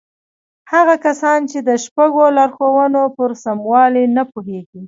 هغه کسان چې د شپږو لارښوونو پر سموالي نه پوهېږي.